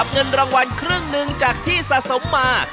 บ๊ายบาย